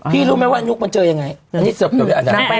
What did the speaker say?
พี่รู้มั้ยว่านุ๊กมันเจอยังไง